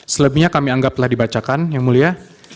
selebihnya kami anggap telah dibacakan yang mulia